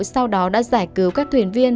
sau đó đã giải cứu các thuyền viên